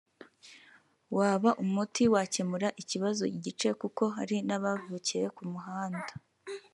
waba umuti wakemura ikibazo igice kuko hari n’abavukiye ku muhanda